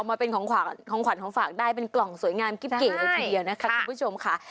มาเป็นของขวัญของฝากได้เป็นกล่องสวยงามกิ๊บเก่งเลยทีเดียวนะคะคุณผู้ชมค่ะ